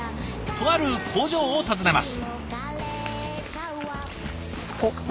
とある工場を訪ねます。